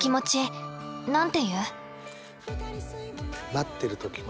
待ってる時ね。